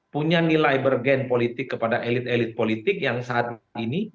punya nilai bergen politik kepada elit elit politik yang saat ini